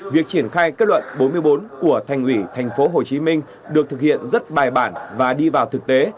việc triển khai kết luận bốn mươi bốn của thành ủy tp hcm được thực hiện rất bài bản và đi vào thực tế